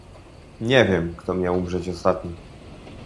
Nie wiem, kto miał umrzeć ostatni"